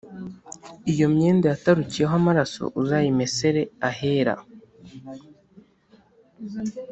Iyo myenda yatarukiyeho amaraso uzayimesere ahera